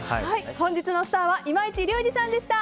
本日のスターは今市隆二さんでした。